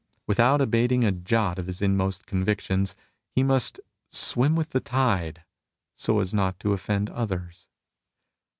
Without abating a jot of his inmost convictions, he must " swim with the tide, so as not to oflEend others."